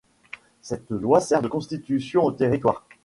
Cette Loi sert de constitution au territoire.